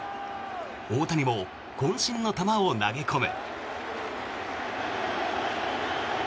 大谷もこん身の球を投げ込む。